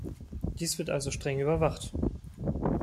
Dies wird also streng überwacht.